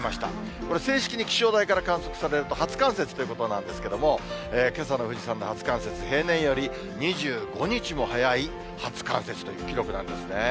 これ、正式に気象台から観測されると初冠雪ということなんですけれども、けさの富士山の初冠雪、平年より２５日も早い初冠雪という記録なんですね。